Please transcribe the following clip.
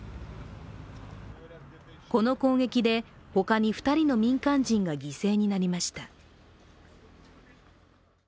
この攻撃で他に２人の民間人が犠牲になりました。